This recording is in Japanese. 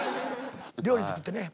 料理作ってね。